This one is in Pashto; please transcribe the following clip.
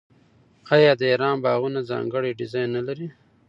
آیا د ایران باغونه ځانګړی ډیزاین نلري؟